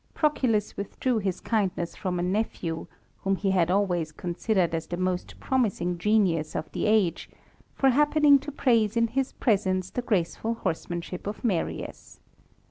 Proculus withdrew his kindness from a nephew, whom he had always considered as the most promising genius of the age, for happening to praise in his presence the graceful horsemanship of Marius.